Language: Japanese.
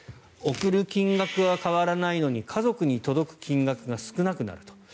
送る金額は変わらないのに家族に届く金額が少なくなると。